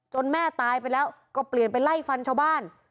แม่ตายไปแล้วก็เปลี่ยนไปไล่ฟันชาวบ้าน